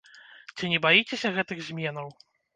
Ці не баіцеся гэтых зменаў?